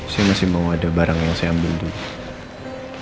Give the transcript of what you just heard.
saya masih mau ada barang yang saya ambil dulu